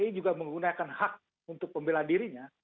jadi fpi juga menggunakan hak untuk pembelan dirinya